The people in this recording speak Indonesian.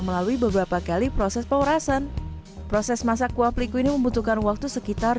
melalui beberapa kali proses pemerasan proses masak kuah peliku ini membutuhkan waktu sekitar